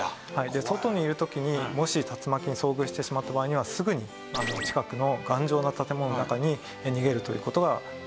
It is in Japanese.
で外にいる時にもし竜巻に遭遇してしまった場合にはすぐに近くの頑丈な建物の中に逃げるという事が大事です。